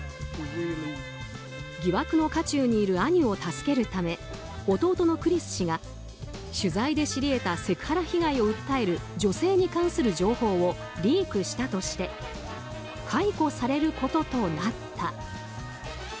疑惑の渦中にいる兄を助けるため弟のクリス氏が取材で知り得たセクハラ被害を訴える女性に関する情報をリークしたとして解雇されることとなった。